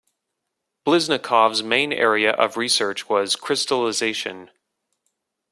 Bliznakov's main area of research was crystallization.